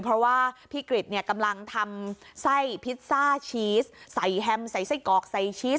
เพราะว่าพี่กริจกำลังทำไส้พิซซ่าชีสใส่แฮมใส่ไส้กรอกใส่ชีส